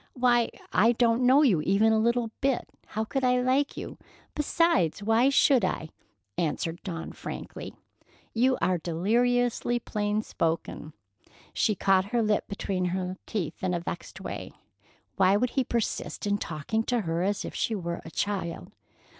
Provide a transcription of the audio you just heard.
"Why, I don't know you even a little bit. How could I like you? Besides, why should I?" answered Dawn frankly. "You are deliriously plain spoken." She caught her lip between her teeth in a vexed way. Why would he persist in talking to her as if she were a child?